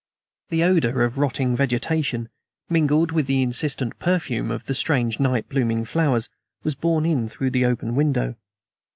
The odor of rotting vegetation, mingled with the insistent perfume of the strange night blooming flowers, was borne in through the open window.